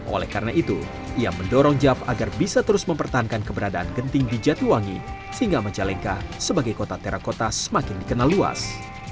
oleh karena itu ia mendorong jav agar bisa terus mempertahankan keberadaan genting di jatuwangi sehingga majalengka sebagai kota terakota semakin dikenal luas